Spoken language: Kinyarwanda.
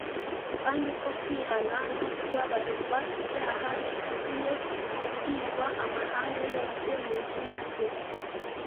kandi ko kwihana no kubabarirwa ibyaha bikwiriye kubwirwa amahanga yose mu izina rye,